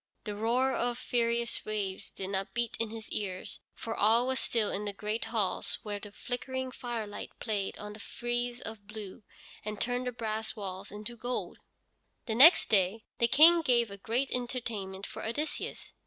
The roar of furious waves did not beat in his ears, for all was still in the great halls where the flickering firelight played on the frieze of blue, and turned the brass walls into gold. Next day the King gave a great entertainment for Odysseus.